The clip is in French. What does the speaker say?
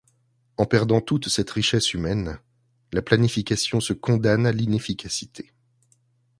En perdant toute cette richesse humaine, la planification se condamne à l'inefficacité.